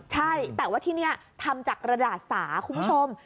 ใช่แต่ว่าที่นี่ทำจากกระดาษสาคุณผู้ชม